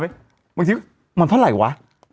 บางทีมันเท่าไหร่วะ